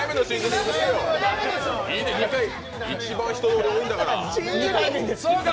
一番人通り多いんだから。